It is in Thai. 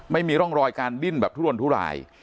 ไม่มีร่องรอยการดิ้นแบบทุรนทุราย